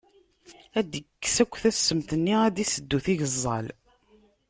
Ad d-ikkes akk tassemt-nni, ad d-iseddu tigeẓẓal.